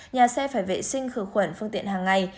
nhà xe phải vệ sinh khử khuẩn phương tiện hàng ngày